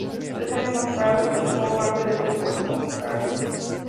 Tres años más tarde, formó parte de "The Voice of Ukraine".